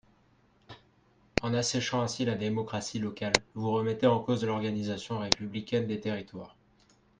En asséchant ainsi la démocratie locale, vous remettez en cause l’organisation républicaine des territoires.